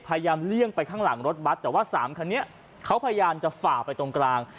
เลี่ยงไปข้างหลังรถบัตรแต่ว่าสามคันนี้เขาพยายามจะฝ่าไปตรงกลาง